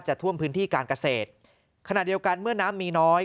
ท่วมพื้นที่การเกษตรขณะเดียวกันเมื่อน้ำมีน้อย